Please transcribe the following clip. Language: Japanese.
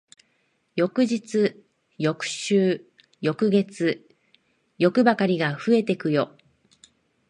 翌日、翌週、翌月、欲ばかりが増えてくよ。